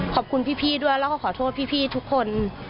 ขอบคุณพี่ด้วยแล้วก็ขอโทษพี่ทุกคน